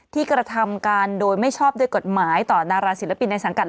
กระทำการโดยไม่ชอบด้วยกฎหมายต่อดาราศิลปินในสังกัด